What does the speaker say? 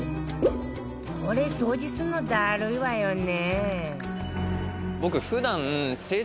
これ掃除するのダルいわよね